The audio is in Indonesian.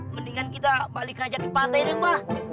mendingan kita balik aja ke pantai nih mbak